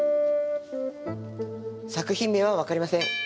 作品名は分かりません。